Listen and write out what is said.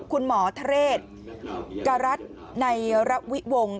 คุณหมอเทรดกรัศในระวิวงศ์